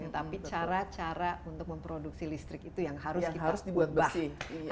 tapi cara cara untuk memproduksi listrik itu yang harus kita